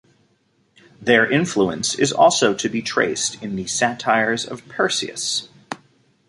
Their influence is also to be traced in the satires of Persius.